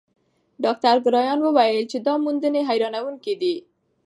ډاکټر کرایان وویل چې دا موندنې حیرانوونکې دي.